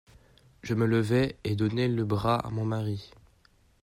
Je me levai et donnai le bras à mon mari.